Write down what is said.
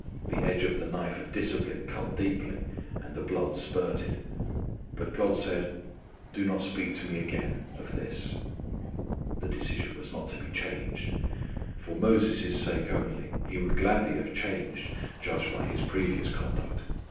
The edge of the knife of discipline cut keenly, and the blood spurted. But God said: "Do not speak to Me again of this." The decision was not to be changed. For Moses' sake only He would gladly have changed, judging by His previous conduct.